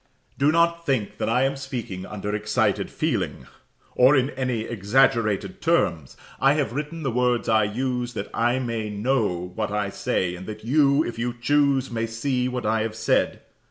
Do not think that I am speaking under excited feeling, or in any exaggerated terms. I have written the words I use, that I may know what I say, and that you, if you choose, may see what I have said.